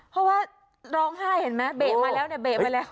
เพราะว่าร้องไห้เห็นมั้ยเบะมาแล้วเนี่ย